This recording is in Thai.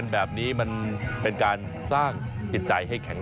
นักฟุตบอลข้างหลังไปเต้นด้วยค่ะคุณ